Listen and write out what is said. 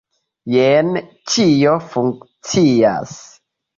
Jen, ĉio funkcias.